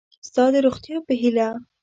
ستا د روغتیا په هیله